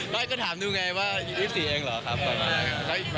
ไม่ก็ถามดูไงว่า๒๔ล้านเองเหรอครับ